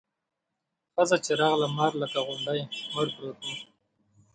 ښځه چې راغله مار لکه غونډی مړ پروت و.